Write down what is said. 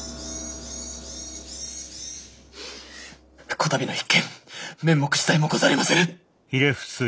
此度の一件面目次第もござりませぬ。